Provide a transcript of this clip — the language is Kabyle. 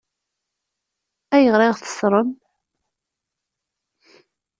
Ayɣer i ɣ-teṣṣṛem?